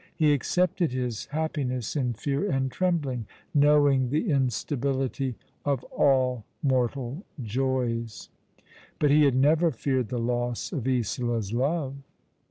He accepted his happiness in fear and trembling, knowing the instability of all mortal joys ; but he had never feared the loss of Isola's love.